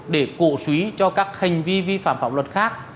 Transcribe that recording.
để cổ suý cho các hành vi vi phạm pháp luật khác